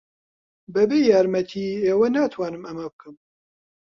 بەبێ یارمەتیی ئێوە ناتوانم ئەمە بکەم.